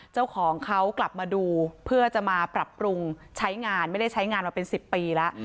เจ้าของเขากลับมาดูเพื่อจะมาปรับปรุงใช้งานไม่ได้ใช้งานมาเป็น๑๐ปีแล้ว